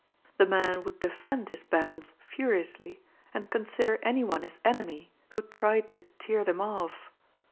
The man would defend his bands furiously, and consider any one his enemy who tried to tear them off.